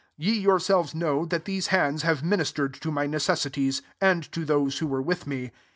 S4 Ye yourselves know that these hands have ministered to m; necessities, and to those who were with me.